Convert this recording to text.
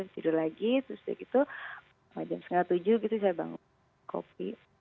tidur lagi terus udah gitu jam setengah tujuh gitu saya bangun kopi